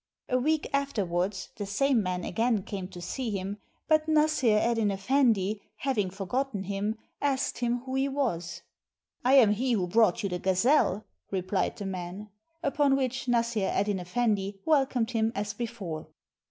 A week afterwards, the same man again came to see him; but Nassr Eddyn Effendi, having forgotten him, asked him who he was. "I am he who brought you the gazelle," replied the man: upon which Nassr Eddyn Effendi welcomed him as before.